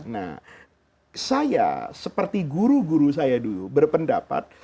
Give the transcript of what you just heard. nah saya seperti guru guru saya dulu berpendapat